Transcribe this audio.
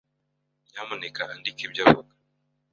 Nyamuneka andika ibyo avuga.